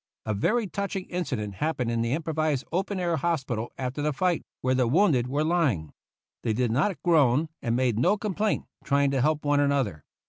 A very touching incident happened in the improvised open air hospital after the fight, where the wounded were lying. They did not groan, and made no complaint, try ing to help one another.